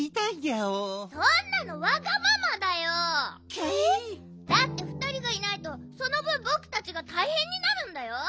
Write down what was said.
ギャイ？だってふたりがいないとそのぶんぼくたちがたいへんになるんだよ。